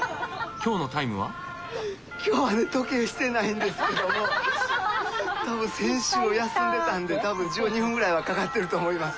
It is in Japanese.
今日はね時計してないんですけども多分先週を休んでたんで多分１２分ぐらいはかかってると思います。